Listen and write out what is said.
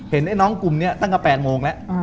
ไอ้น้องกลุ่มนี้ตั้งแต่๘โมงแล้ว